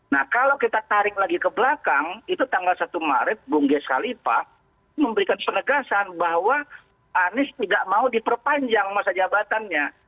nah kalau kita tarik lagi ke belakang itu tanggal satu maret bung ges khalifah memberikan penegasan bahwa anies tidak mau diperpanjang masa jabatannya